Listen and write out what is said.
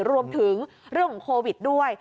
รวมถึงเรื่องของโควิดด้วย